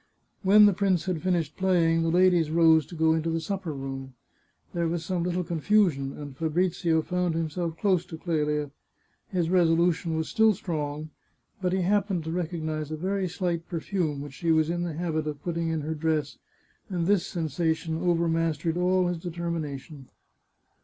When the prince had finished playing, the ladies rose to go into the supper room. There was some little confusion, and Fabrizio found himself close to Clelia. His resolution was still strong, but he happened to recognise a very slight perfume which she was in the habit of putting in her dress, and this sensation overmastered all his determination.